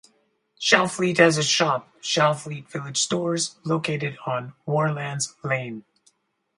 Shalfleet has a shop, Shalfleet Village Stores, located on Warlands Lane.